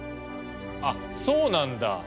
あっそうなんだ。